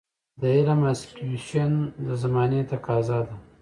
د علم Acquisition د زمانې تقاضا ده.